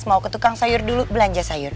mau ke tukang sayur dulu belanja sayur